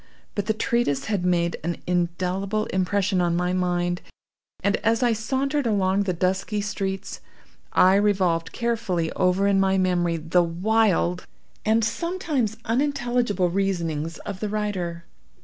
But the treatise had made an indelible impression on my mind, and, as I sauntered along the dusky streets, I revolved carefully over in my memory the wild and sometimes unintelligible reasonings of the writer.